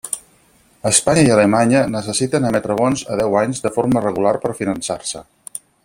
Espanya i Alemanya necessiten emetre bons a deu anys de forma regular per finançar-se.